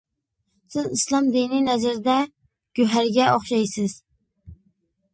سىز ئىسلام دىنى نەزىرىدە گۆھەرگە ئوخشايسىز.